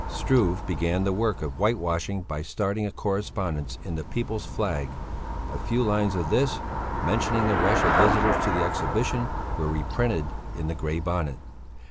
Struve began the work of whitewashing by starting a correspondence in the People's Flag; a few lines of this, mentioning the rush of visitors to the Exhibition, were reprinted in the Grey Bonnet.